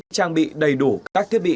trang bị đầy đủ các thiết bị